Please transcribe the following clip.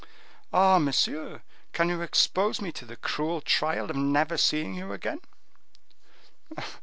Ah! monsieur, can you expose me to the cruel trial of never seeing you again?"